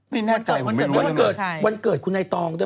ไม่แน่ใจวันเกิดในตอง